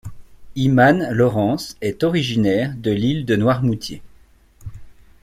Imane Laurence est originaire de l'Île de Noirmoutier.